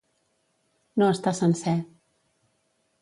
No estar sencer.